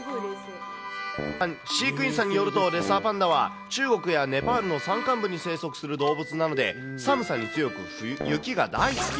飼育員さんによると、レッサーパンダは中国やネパールの山間部に生息する動物なので、寒さに強く、雪が大好き。